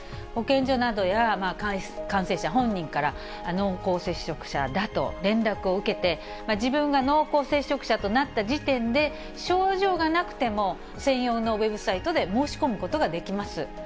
保健所などや感染者本人から濃厚接触者だと連絡を受けて、自分が濃厚接触者となった時点で、症状がなくても専用のウェブサイトで申し込むことができます。